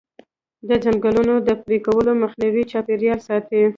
د ځنګلونو د پرې کولو مخنیوی چاپیریال ساتي.